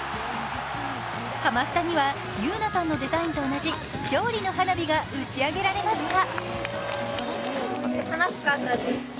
ハマスタには優来さんのデザインと同じ勝利の花火が打ち上げられました。